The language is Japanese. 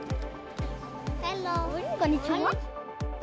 こんにちは。